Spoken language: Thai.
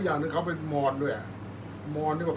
อันไหนที่มันไม่จริงแล้วอาจารย์อยากพูด